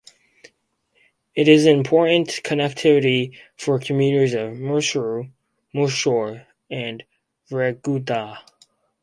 It is an Important connectivity for commuters of Mysuru (Mysore) and Renigunta.